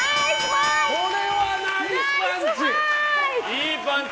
これはナイフパンチ！